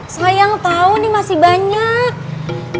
sayang tau nih masih banyak